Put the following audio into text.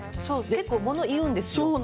そう結構物言うんですよ。